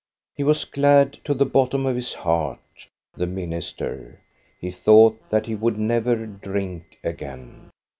He was glad to the bottom of his heart, the min ister ; he thought that he would never drink again.